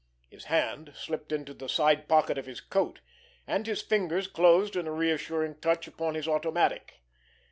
His hand slipped into the side pocket of his coat, and his fingers closed in a reassuring touch upon his automatic.